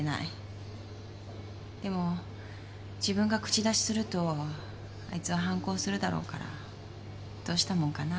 「でも自分が口出しするとあいつは反抗するだろうからどうしたもんかな」